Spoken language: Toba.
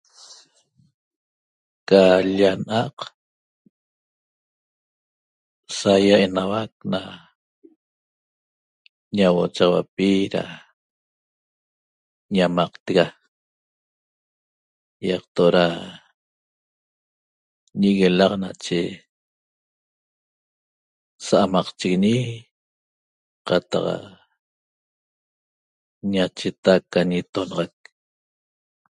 Ca hul'lia naq sahiaha na ñahuochaxahuapi da ñamaqteca yaqtola ñiguilaq nache samaqchiguiñe cataq ñacheteq ca intonaxaq